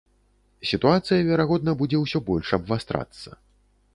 Сітуацыя, верагодна, будзе ўсё больш абвастрацца.